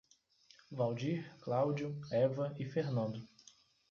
Valdir, Cláudio, Eva e Fernando